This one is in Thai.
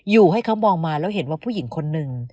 อยู่ให้เขามองมาแล้วเห็นว่าผู้หญิงคนหนึ่ง